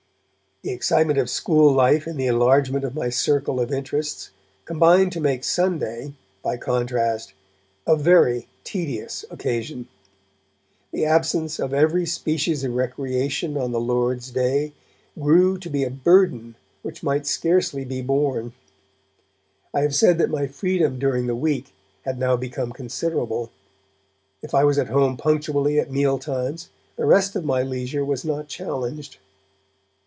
The excitement of school life and the enlargement of my circle of interests, combined to make Sunday, by contrast, a very tedious occasion. The absence of every species of recreation on the Lord's Day grew to be a burden which might scarcely be borne. I have said that my freedom during the week had now become considerable; if I was at home punctually at meal times, the rest of my leisure was not challenged.